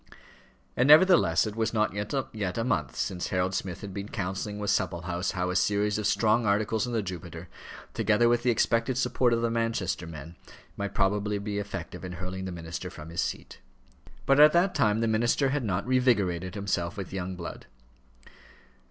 And nevertheless it was not yet a month since Harold Smith had been counselling with Supplehouse how a series of strong articles in the Jupiter, together with the expected support of the Manchester men, might probably be effective in hurling the minister from his seat. But at that time the minister had not revigorated himself with young blood.